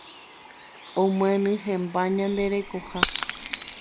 Omyenyhẽmba ñande rekoha